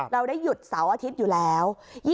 เราได้หยุดเสาร์อาทิตย์อยู่แล้ว